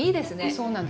そうなんです。